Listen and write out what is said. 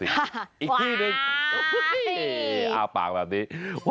อีกที่หนึ่งอ้าปากแบบนี้